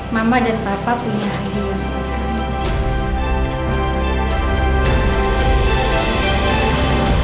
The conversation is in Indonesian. mama dan papa punya hadiah untuk kamu